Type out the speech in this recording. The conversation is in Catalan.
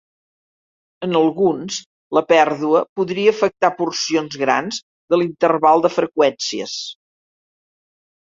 En alguns, la pèrdua podria afectar porcions grans de l'interval de freqüències.